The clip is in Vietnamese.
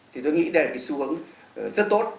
thì tôi nghĩ đây là cái xu hướng rất tốt